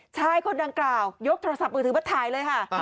ชายคนดังกล่าวยกโทรศัพท์มือถือมาถ่ายเลยค่ะ